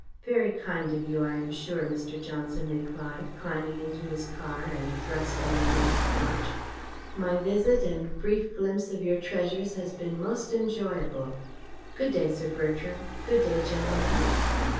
"Very kind of you, I am sure," Mr. Johnson replied, climbing into his car and thrusting in his clutch. "My visit and brief glimpse of your treasures has been most enjoyable. Good day, Sir Bertram. Good day, gentlemen."